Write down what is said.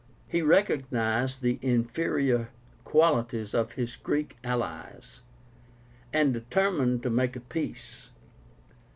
He recognized the inferior qualities of his Greek allies, and determined to make a peace.